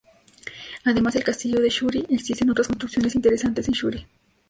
Además del Castillo de Shuri, existen otras construcciones interesantes en Shuri.